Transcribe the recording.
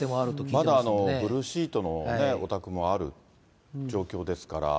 まだブルーシートのお宅もある状況ですから。